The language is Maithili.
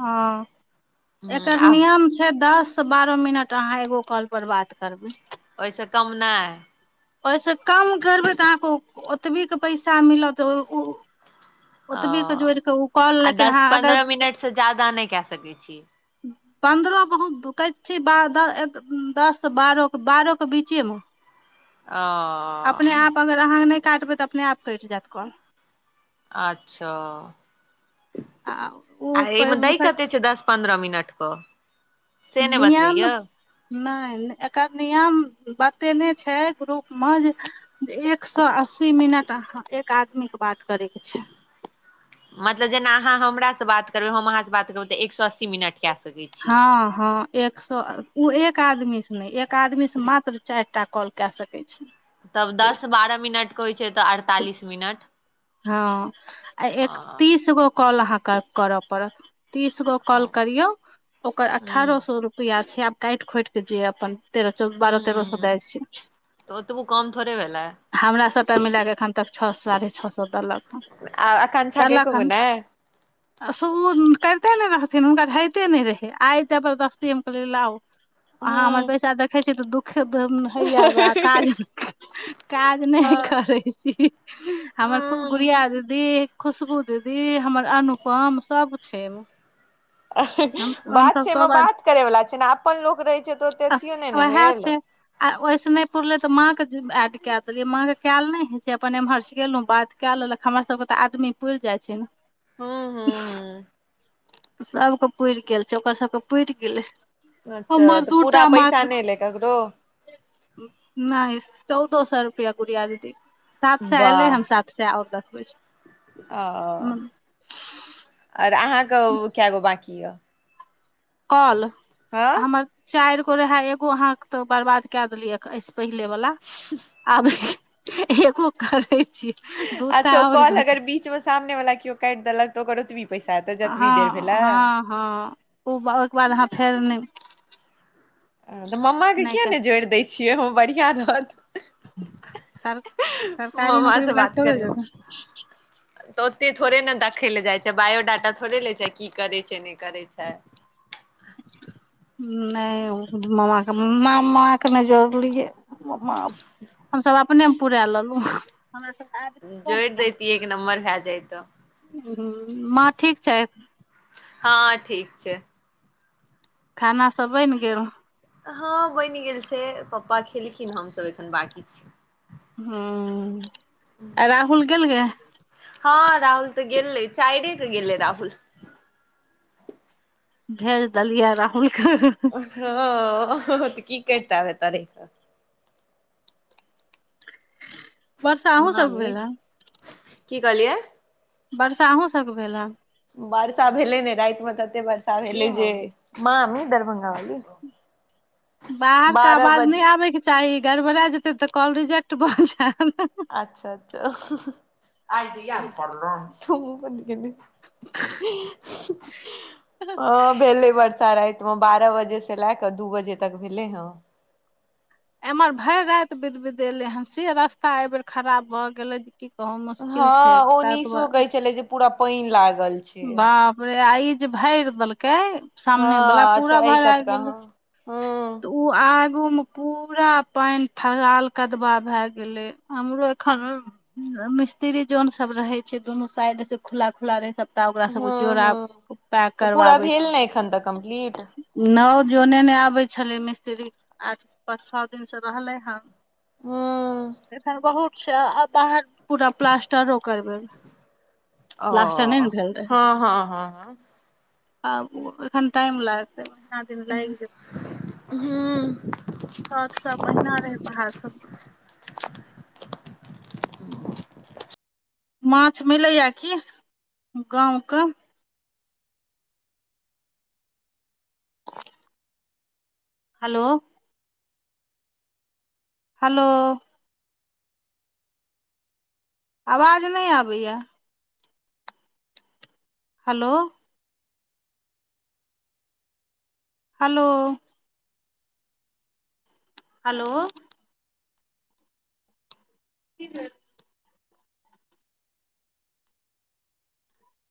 हँ ह एकर आब नियम छै दस बारह मिनट अहाँ एगो कॉल पर बात करबै ओहिसँ कम नहि ओहिसँ कम करबै तऽ अहाँके ओतबी के पैसा मिलत ओ ओतबी के जोड़ि कऽ ओ कॉल आ लेकिन दस अहाँ अगर पन्द्रह मिनटसँ ज्यादा नहि कए सकैय छी ह [inaudible] [inaudible] पन्द्रह हमै छी दस बारह बारह के बीचे मे ओ [inaudible] [inaudible] अपने आप अगर अहाँ नहि काटबै तऽ अपने आप कैट जायत कोल अच्छा आ ओ आ एईमे दै कते छै दस पन्द्रह मिनट क नियम नहि एकर नियम बतेने छै ग्रुपम जे एक सौ अस्सी मिनट एक आदमीके बात करेके छै। मतलब जेना अहाँ हमरासे बात करबै हम अहाँसे बात करब तऽ एक सौ अस्सी मिनट। कए सकै छी हँ हँ। एक सौ, ओ एक आदमीसे नहि एक आदमीसे मात्र चारिटा कॉल कए सकै छि। तब, दस बारह मिनटके होइ छै तऽ अड़तालीस मिनट? हँ, आ एक ह तीसगो कॉल अहाँकेँ करय पड़त। तीसगो कॉल ह करियौ ओकर तऽ अठारह सए रुपआ छै, आब काटि खोटि केऽ जे अपन। तेरह सऽ बारह, तेरह सऽ एगारह अरब जाय ओतबो कम थोड़े भेलै छै। हमरा सभटा मिलाक एखन तक छओ साढ़े छओ सऽ सत आ आकांक्षा लाखतार के लाख कहू खन ने [unintelligible] ओ करितेने रहथिन हुनका हइते नहि रहै आइ एते जबदस्ती लौ ह अहाँ हमर पैसा देखै छी तऽ दुःख। खदम हइयब काज काज नहि करै छै हमर खूब ह गुड़िया दीदी, खुशबू दीदी, हमर अनुपम सभ छै बात हमसब छै, एहिमे सब बात करे वला छै, ने अपन लोक रहै छै तऽ ओते अथियो नहि ने उएह भेल। छै आ ओहिस नहि पुरले ते माँ के अड्ड कऽ देले माँ के कयल ने छै अपन एम्हर। गेलहु बात कऽ लेलक हमरा सभके तऽ आदमी पुर जाइ छै हूँ हूँ ने। हूँ सभके पुुरि गेल छै, ओकर सभके पुुरि गेलै। अच्छा हमर तऽ पूरा दूटा पैसा मात्र नहि एले ककरो? नहि चौदो सए रुपआ गुड़िया दीदी, सात सए एलै वाह हन सात। से आओ देते ओ आर अहाँकेँ कगो बकी यए।? कल हमर चारिगो रहै एगो अहाँकेँ तऽ बर्बाद कए देलियै। पहिले वाला, आब एको करे छिय। अच्छा ओ कोल अगर बीचमे सामने वाला केओ काटि देलक तऽ ओकर ओतबी। पैसा तऽ जतबी देर हँ भेलै? हँ हँ, ओ ओहिके बाद अहाँ फेरने ह, तऽ मम्माके किएक नहि जोड़ि दैत छियै। हम बढ़िआँ रहत सर, सरकारी मम्मा से नौकरीवाला बात के थोड़े करेमे जेथिन। तऽ ओते थोड़ेने देखै लए जाइत छै, बायोडाटा थोड़े ले छै, की करै छै नहि करै छै। नहि मामाके नहि जोड़लियै। मा हमसभ अपने पुरा लेलहुँ हमरा। आदमी कम जोड़ि य दैतियै, एक नम्बर भए जत। माँ ठीक छै? हँ, ठीक छै। खाना सभ बनि गेल? हँ, बनि गेल छै, पप्पा खेलखिन हमसभ एखन बाकी छीय ह, आ राहुल गेल ग हँ, राहुल तऽ गेलै चइरेके गेले राहुल। भेज देलियै राहुलके। ह, तऽ की करता एतह रह वर्षा अहूँ सबके मामी, भेल ह की कहलियए? वर्षा अहुँ सभके भेल हँ? वर्षा भेलै ने रातिमे तएते वर्षा भेलै जे मामी दरभंगा वाली ह। बाहरके बारह आवाज बजे नहि आबयके चाही गड़बड़ा जेतै तऽ कॉल रिजेक्ट भऽ जायत। अच्छा, अच्छा, [unintelligible] हँ, भेलेले बार रातिमे बारह बजेसे लए कऽ दू बजे तक भेले ह। एम्हर भरि राति बिद बिद एले से रस्ता एहिबेर खराब भऽ गेलै की कहू मुश्किल छै हँ ओ त दुआ निशो कहै छलै जे पूरा पानि लागल छै बाप रे आ ई जे भरि देलकै सामने बला हँ पूरा अच्छा एहि भरा आ कतका गेलै हँ हँ आगु में पूरा पानि थसाल कदवा भय गेले हमरो एखन मिस्त्री जन सब रहे छै दुनू साइडस खुला खुला रहै सब त ओकरा सब हँ जोड़ा हँ पैक तऽ पूरा करबाबै भेल ने एखन तक कम्प्लीट छै नओ जोने नहि आबै छलै मिस्त्री आठ पाँच छओ दिन से रहलै हन हूँ एखन बहुत छै आ बाहर पूरा प्लास्टरो करब ओ प्लास्टर नहि ने भेल रहे हँ हँ हँ हँ आब एखन टाइम लागतै महिना दिन लागि जेतै हूँ छत सब ओहिना रहै बाहर सब माछ मिलैए की गाँवके हेलो हेलो आवाज नहि आबैय हेलो हेलो हेलो की [unintelligible]